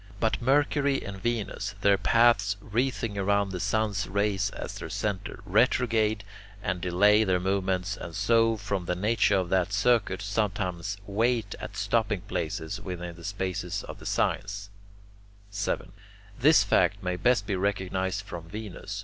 But Mercury and Venus, their paths wreathing around the sun's rays as their centre, retrograde and delay their movements, and so, from the nature of that circuit, sometimes wait at stopping places within the spaces of the signs. 7. This fact may best be recognized from Venus.